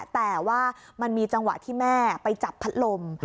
แต่ว่ามันมีจังหวะที่แม่ไปจับพัดลม